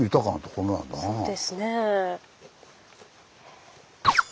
そうですね。